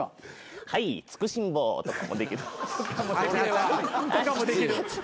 はいつくしんぼうとかもできる。